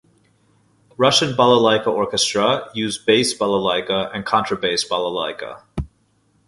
Russian balalaika orchestra use bass balalaika and contrabass balalaika.